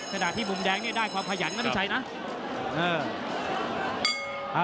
เมื่อที่มุมแดงได้ความพยายามและมิชัยได้นะ